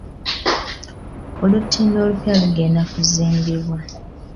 Olutindo olupya lugenda kuzimbibwa.